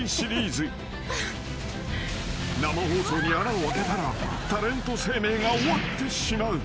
［生放送に穴をあけたらタレント生命が終わってしまう］